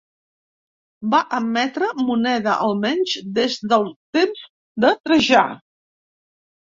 Va emetre moneda almenys des del temps de Trajà.